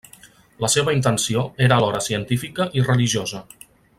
La seva intenció era alhora científica i religiosa.